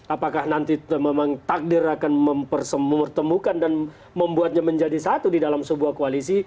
apakah nanti memang takdir akan mempertemukan dan membuatnya menjadi satu di dalam sebuah koalisi